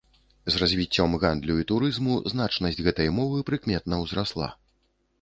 З развіццём гандлю і турызму значнасць гэтай мовы прыкметна ўзрасла.